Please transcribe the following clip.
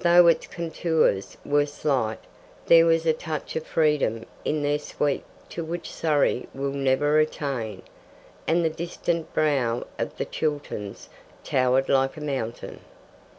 Though its contours were slight, there was a touch of freedom in their sweep to which Surrey will never attain, and the distant brow of the Chilterns towered like a mountain.